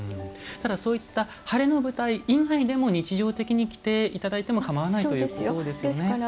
そういったハレの舞台以外でも日常で着ていただいてもかまわないということですね。